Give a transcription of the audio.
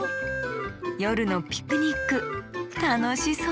よるのピクニックたのしそう！